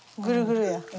グルグルや。